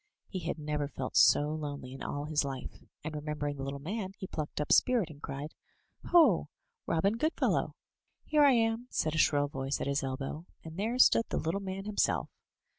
He had never felt so lonely in all his life, and remember ing the little man, he plucked up spirit, and cried: "Ho! Robin Goodfellow!" "Here I am,*' said a shrill voice at his elbow; and there stood the little man himself.